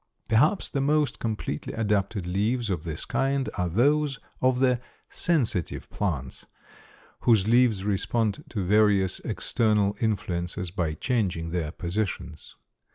Perhaps the most completely adapted leaves of this kind are those of the "sensitive plants," whose leaves respond to various external influences by changing their positions.